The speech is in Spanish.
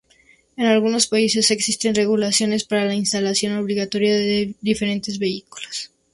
En algunos países existen regulaciones para la instalación obligatoria en diferentes vehículos.